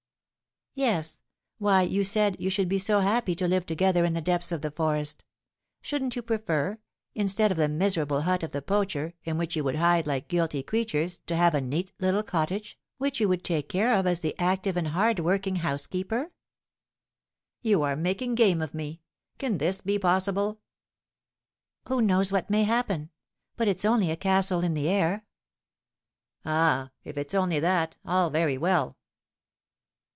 "Yes; why, you said you should be so happy to live together in the depths of the forest. Shouldn't you prefer, instead of the miserable hut of the poacher, in which you would hide like guilty creatures, to have a neat little cottage, which you would take care of as the active and hard working housekeeper?" "You are making game of me. Can this be possible?" "Who knows what may happen? But it's only a castle in the air." "Ah, if it's only that, all very well!"